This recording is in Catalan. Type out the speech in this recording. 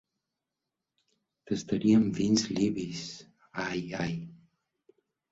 Tastaríem vins libis, ai ai.